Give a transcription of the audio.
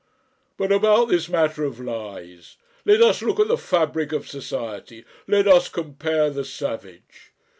But about this matter of Lies let us look at the fabric of society, let us compare the savage.